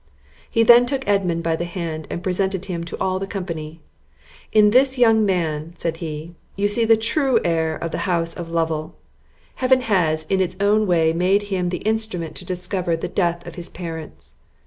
He then took Edmund by the hand, and presented him to all the company. "In this young man," said he, "you see the true heir of the house of Lovel! Heaven has in its own way made him the instrument to discover the death of his parents.